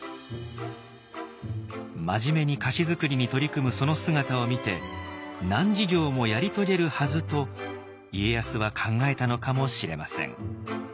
真面目に菓子づくりに取り組むその姿を見て難事業もやり遂げるはずと家康は考えたのかもしれません。